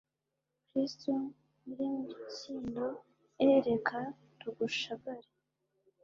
kristu nyir'imitsindoe, reka tugushagare